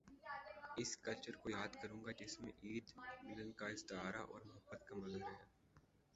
اس culture کو یاد کروں گا جس میں عید، ملن کا استعارہ اور محبت کا مظہر ہے۔